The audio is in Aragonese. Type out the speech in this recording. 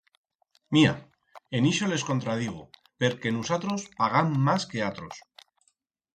Mia, en ixo les contradigo, perque nusatros pagam mas que atros.